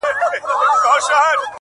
هسي رنګه چي له ژونده یې بېزار کړم!!